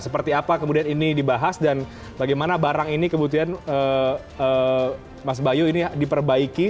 seperti apa kemudian ini dibahas dan bagaimana barang ini kemudian mas bayu ini diperbaiki